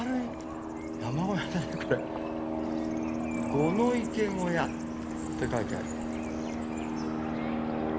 「五の池小屋」って書いてある。